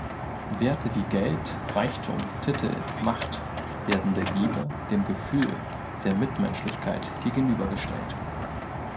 Werte wie Geld, Reichtum, Titel, Macht werden der Liebe, dem Gefühl, der Mitmenschlichkeit gegenübergestellt.